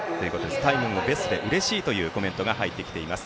タイムもベストでうれしいというコメントが入ってきています。